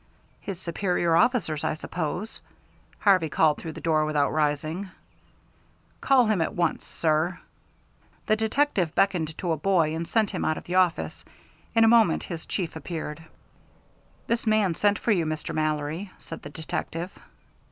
"His superior officer's, I suppose," Harvey called through the door without rising. "Call him at once, sir." The detective beckoned to a boy, and sent him out of the room. In a moment his chief appeared. "This man sent for you, Mr. Mallory," said the detective.